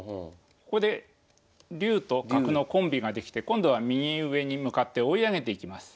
ここで竜と角のコンビができて今度は右上に向かって追い上げていきます。